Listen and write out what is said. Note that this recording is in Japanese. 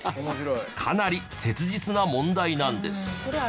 かなり切実な問題なんです。